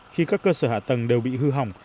khi các cơ sở hạ tầng đều bị hư hỏng